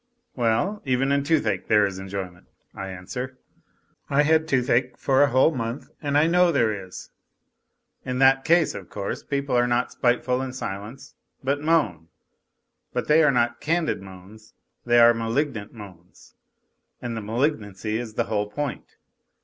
" Well ? Even in toothache there is enjoyment," I answer. I had toothache for a whole month and I know there is. In that case, of course, people are not spiteful in silence, but moan ; but they are not candid moans, they are malignant moans, and the malignancy is the whole point.